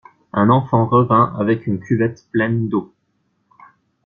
Un enfant revint avec une cuvette pleine d'eau.